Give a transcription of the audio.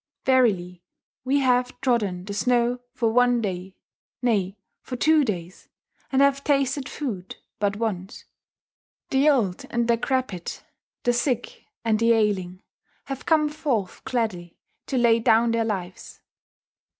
Verily we have trodden the snow for one day, nay, for two days, and have tasted food but once. The old and decrepit, the sick and the ailing, have come forth gladly to lay down their lives.